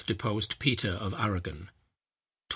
deposed Peter of Arragon. 1284.